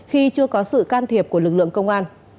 khi chưa có sự can thiệp của lực lượng công an